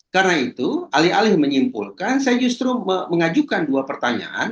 karena itu alih alih menyimpulkan saya justru mengajukan dua pertanyaan